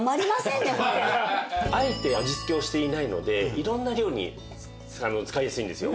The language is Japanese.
あえて味付けをしていないので色んな料理に使いやすいんですよ。